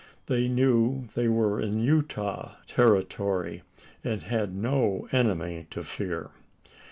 They knew they were in Utah territory, and had no enemy to fear.